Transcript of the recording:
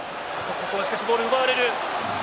ここはボールを奪われる。